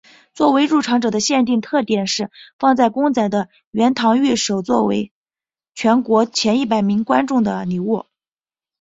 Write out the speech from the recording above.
作为入场者的限定特典是放有公仔的圆堂御守以作为全国前一百万名观众的礼物。